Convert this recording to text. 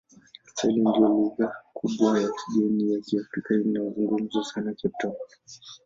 Kiswahili ndiyo lugha kubwa ya kigeni ya Kiafrika inayozungumzwa sana Cape Town.